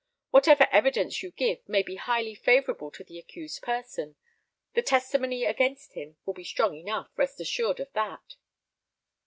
Whatever evidence you give may be highly favourable to the accused person. The testimony against him will be strong enough, rest assured of that."